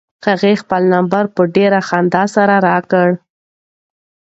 هغې خپل نمبر په ډېرې خندا سره راکړ.